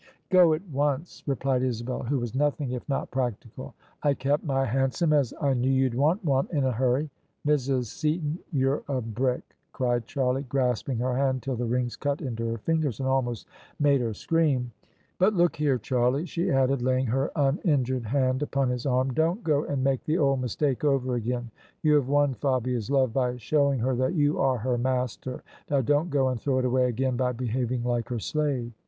" Go at once," replied Isabel, who was nothing if not practical :" I kept my hansom, as I knew you'd want one in a hurry." "Mrs. Seaton, you're a brick!" cried Charlie, grasping her hand till the rings cut into her fingers, and almost made her scream. THE SUBJECTION " But look here, Charlie," she added, laying her uninjured hand upon his arm, " don't go and make the old mistake over again. You have won Fabia's love by showing her that you are her master; now don't go and throw it away again by behaving like her slave!